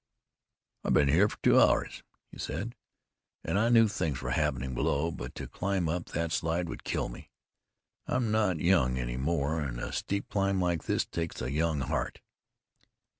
"I've been here two hours," he said, "and I knew things were happening below; but to climb up that slide would kill me. I am not young any more, and a steep climb like this takes a young heart.